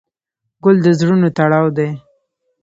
ګل د زړونو تړاو دی.